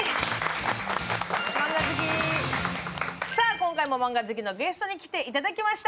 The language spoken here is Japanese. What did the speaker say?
今回もマンガ好きのゲストに来ていただきました。